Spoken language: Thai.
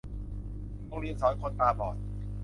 โรงเรียนสอนคนตาบอด